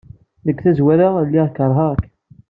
Deg tazwara, lliɣ keṛheɣ-k.